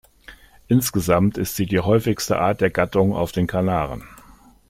Insgesamt ist sie die häufigste Art der Gattung auf den Kanaren.